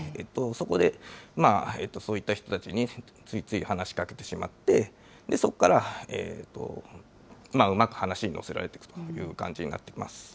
そこでそういった人たちについつい話しかけてしまって、そこから、うまく話に乗せられてという感じになってきます。